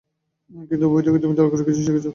কিন্তু বই থেকে তুমি দরকারী কিছু শিখেছো।